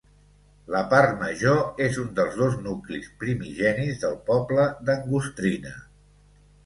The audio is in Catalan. La Part Major és un dels dos nuclis primigenis del poble d'Angostrina.